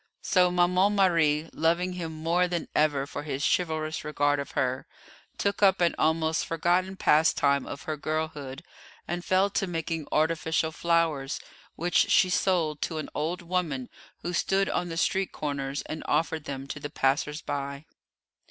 So Maman Marie, loving him more than ever for his chivalrous regard of her, took up an almost forgotten pastime of her girlhood, and fell to making artificial flowers, which she sold to an old woman who stood on the street corners and offered them to the passers by.